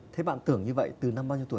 thế bạn tưởng như vậy từ năm bao nhiêu tuổi